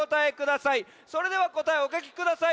それではこたえをおかきください。